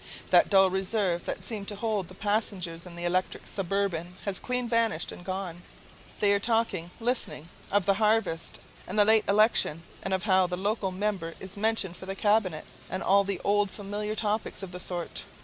That dull reserve that seemed to hold the passengers in the electric suburban has clean vanished and gone. They are talking, listen, of the harvest, and the late election, and of how the local member is mentioned for the cabinet and all the old familiar topics of the sort.